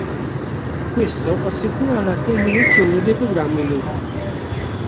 Questo assicura la terminazione dei programmi Loop.